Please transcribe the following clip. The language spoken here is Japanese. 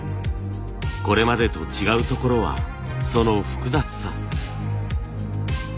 これまでと違うところはその複雑さ。